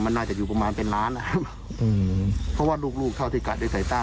มันน่าจะอยู่ประมาณเป็นล้านนะครับอืมเพราะว่าลูกลูกเท่าที่กัดด้วยสายตา